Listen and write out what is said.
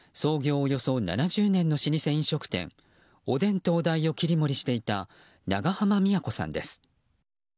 およそ７０年の老舗飲食店おでん東大を切り盛りしていた長濱美也子さんです。